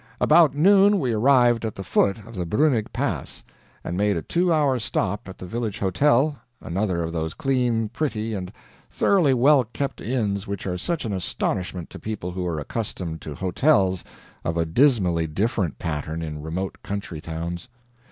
About noon we arrived at the foot of the Bruenig Pass, and made a two hour stop at the village hotel, another of those clean, pretty, and thoroughly well kept inns which are such an astonishment to people who are accustomed to hotels of a dismally different pattern in remote country towns.